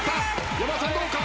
山田さんどうか？